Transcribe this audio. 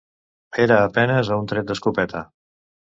Era a penes a un tret d'escopeta.